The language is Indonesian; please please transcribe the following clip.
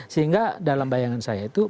sehingga dalam bayangan saya itu